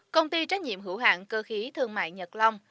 công ty trách nhiệm hữu hạng cơ khí thương mại nhật long